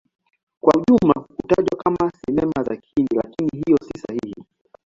Kwa ujumla hutajwa kama Sinema za Kihindi, lakini hiyo si sahihi.